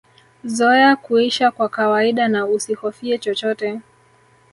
Zoea kuisha kwa kawaida na usihofie chochote